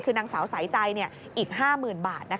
คือนางสาวสายใจอีก๕๐๐๐บาท